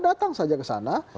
datang saja ke sana